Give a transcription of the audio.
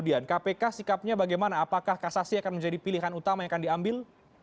dan kpk sikapnya bagaimana apakah kasasi akan menjadi pilihan utama yang akan diambil